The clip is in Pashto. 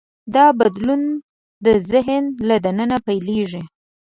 دا بدلون د ذهن له دننه پیلېږي.